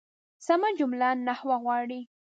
سمه جمله نحوه غواړي.